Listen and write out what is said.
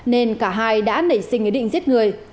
nên cả hai đã nảy sinh ý định giết người